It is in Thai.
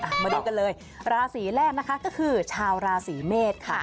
มาดูกันเลยราศีแรกนะคะก็คือชาวราศีเมษค่ะ